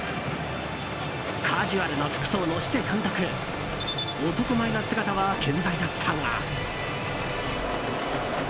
カジュアルな服装のシセ監督男前な姿は健在だったが。